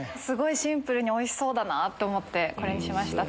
シンプルにおいしそうだと思ってこれにしました。